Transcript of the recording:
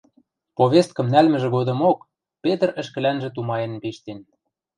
Повесткӹм нӓлмӹжӹ годымок Петр ӹшкӹлӓнжӹ тумаен пиштен: